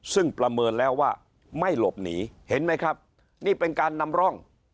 ซึ่งประเมินแล้วว่าไม่หลบหนีเห็นไหมครับนี่เป็นการนำร่อง